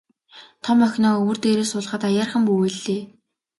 Том охиноо өвөр дээрээ суулгаад аяархан бүүвэйллээ.